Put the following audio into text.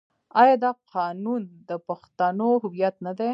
آیا دا قانون د پښتنو هویت نه دی؟